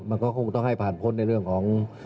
มันก็คงต้องให้ผ่านพ้นในเรื่องของ